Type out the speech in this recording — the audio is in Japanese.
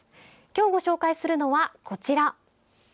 今日ご紹介するのは、こちら。